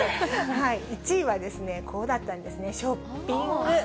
１位はですね、こうだったんですね、ショッピング。